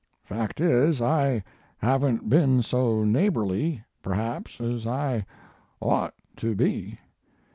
Fact is, I haven t been so neighborly, perhaps, as I ought to be.